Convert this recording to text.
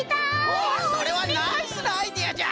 おおそれはナイスなアイデアじゃ。